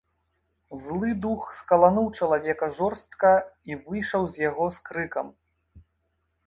Злы дух скалануў чалавека жорстка і выйшаў з яго з крыкам.